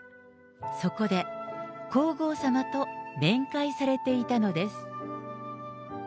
そこで、皇后さまと面会されていたのです。